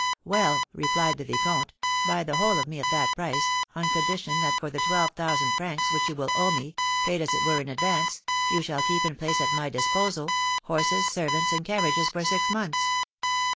'Well,' replied the vicomte, 'buy the whole of me at that price, on condition that for the twelve thousand francs which you will owe me, paid as it were in advance, you shall keep and place at my disposal horses, servants, and carriages for six months.'"